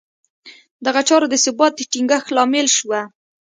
دغه چاره د ثبات د ټینګښت لامل شوه